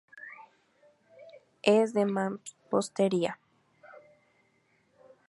Es de mampostería.